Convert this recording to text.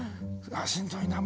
しんどいな。